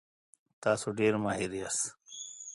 تاسو ډیر ماهر یاست.